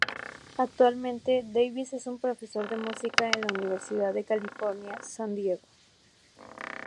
Actualmente, Davis es un profesor de música en la Universidad de California, San Diego.